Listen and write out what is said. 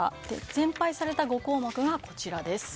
全廃された５項目がこちらです。